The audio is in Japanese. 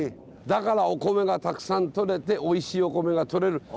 だからお米がたくさんとれておいしいお米がとれる。